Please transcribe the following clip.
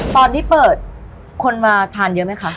ตอนที่เปิดคนมาทานเยอะไหมคะ